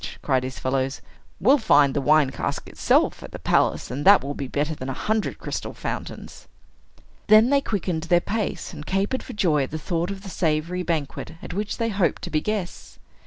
cried his fellows: "we'll find the wine cask itself at the palace, and that will be better than a hundred crystal fountains." Then they quickened their pace, and capered for joy at the thought of the savory banquet at which they hoped to be guests.